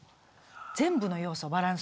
全部の要素バランス。